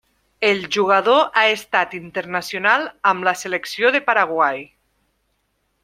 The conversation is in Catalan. El jugador ha estat internacional amb la selecció de Paraguai.